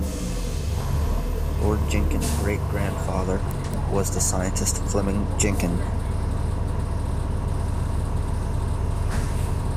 Lord Jenkin's great-grandfather was the scientist Fleeming Jenkin.